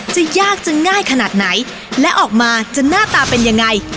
จะยากจะง่ายขนาดไหนและออกมาจะหน้าตาเป็นยังไง